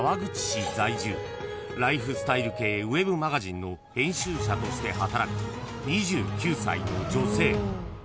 ［ライフスタイル系ｗｅｂマガジンの編集者として働く２９歳の女性］